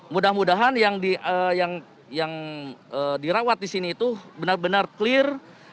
mudah mudahan yang dirawat di sini itu benar benar clear